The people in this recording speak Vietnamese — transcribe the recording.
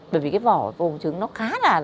bởi vì cái vỏ bụng trứng nó khá là